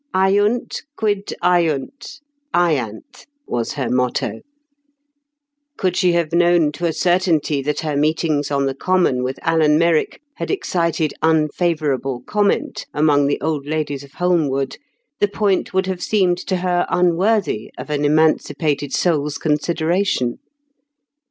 "Aiunt: quid aiunt? aiant," was her motto. Could she have known to a certainty that her meetings on the common with Alan Merrick had excited unfavourable comment among the old ladies of Holmwood, the point would have seemed to her unworthy of an emancipated soul's consideration.